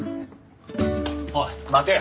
おい待てや。